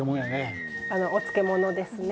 お漬物ですね。